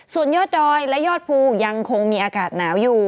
ส่วนยอดดอยและยอดภูยังคงมีอากาศหนาวอยู่